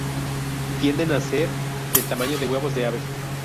Tienden a ser del tamaño de huevos de aves.